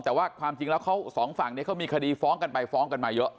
แต่ว่าความจริงแล้วเขาสองฝั่งนี้เขามีคดีฟ้องกันไปฟ้องกันมาเยอะ